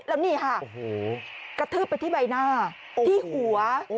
แล้วนี่ค่ะกระทืบไปที่ใบหน้าที่หัว